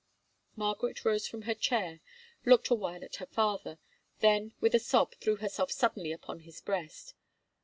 Margaret rose from her chair, looked a while at her father, then with a sob threw herself suddenly upon his breast.